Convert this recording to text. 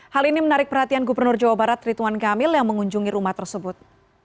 hal ini menarik perhatian gubernur jawa barat rituan kamil yang mengunjungi rumah tersebut